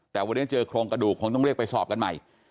แต่วันนี้เจอโครงกระดูกคงต้องเรียกไปสอบกันใหม่